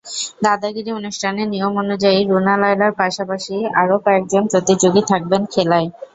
দাদাগিরি অনুষ্ঠানের নিয়ম অনুযায়ী রুনা লায়লার পাশাপাশি আরও কয়েকজন প্রতিযোগী থাকবেন খেলায়।